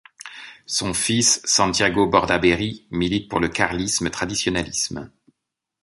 Son fils, Santiago Bordaberry, milite pour le carlisme traditionalisme.